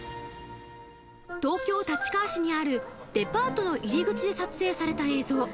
東京・立川市にあるデパートの入り口で撮影された映像。